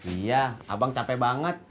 iya abang capek banget